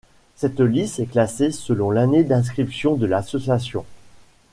Cette liste est classée selon l'année d'inscription de l'association.